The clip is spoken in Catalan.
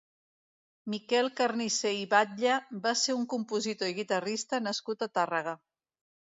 Miquel Carnicer i Batlle va ser un compositor i guitarrista nascut a Tàrrega.